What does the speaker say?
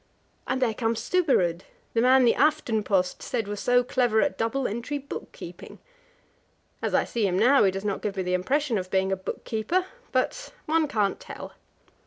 And there comes Stubberud, the man the Aftenpost said was so clever at double entry book keeping. As I see him now, he does not give me the impression of being a book keeper but one can't tell.